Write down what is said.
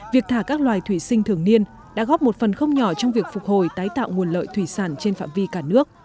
việc thả các loài thủy sinh thường niên đã góp một phần không nhỏ trong việc phục hồi tái tạo nguồn lợi thủy sản trên phạm vi cả nước